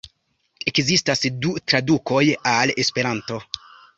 Ekzistas du tradukoj al Esperanto.